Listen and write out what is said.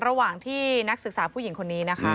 ระหว่างที่นักศึกษาผู้หญิงคนนี้นะคะ